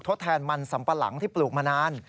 ทดแทนมันสัมปะหลังที่ปลูกมานาน